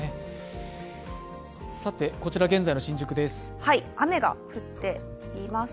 こちら現在の新宿です。